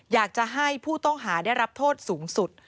อยากจะให้ผู้ต้องหาได้รับโทษสูงสุด